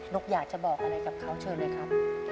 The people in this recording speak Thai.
กอยากจะบอกอะไรกับเขาเชิญเลยครับ